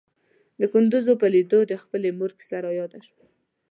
د کندوز په ليدو د خپلې مور کيسه راياده شوه.